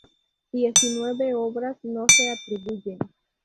Diecinueve obras no se atribuyen.